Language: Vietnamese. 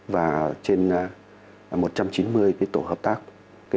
và trên một trăm chín mươi tổ hợp tác